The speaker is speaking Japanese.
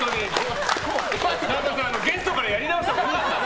ゲストからやり直したほうがいいですよ！